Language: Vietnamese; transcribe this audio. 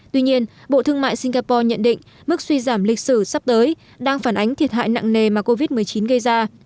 tuy nhiên bộ thương mại singapore nhận định mức suy giảm lịch sử sắp tới đang phản ánh thiệt hại nặng nề mà covid một mươi chín gây ra